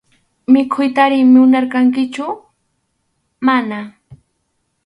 ¿Mikhuytari munachkankichu?- Mana.